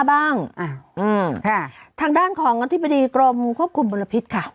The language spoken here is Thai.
บ้างอ่าอืมค่ะทางด้านของอธิบดีกรมควบคุมมลพิษค่ะ